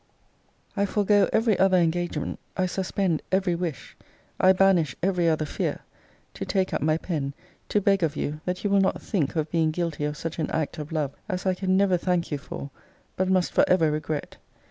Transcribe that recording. I forego every other engagement, I suspend ever wish, I banish every other fear, to take up my pen, to beg of you that you will not think of being guilty of such an act of love as I can never thank you for; but must for ever regret.